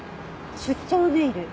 出張ネイル？